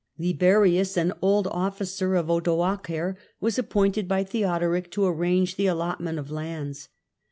Liberius, an old officer of Odoacer, was appointed by Theodoric to arrange the allotment of lands.